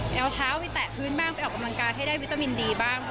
เอาเท้าไปแตะพื้นบ้างไปออกกำลังกายให้ได้วิตามินดีบ้างค่ะ